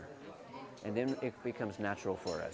dan kemudian karena itu membuat pelajar bingung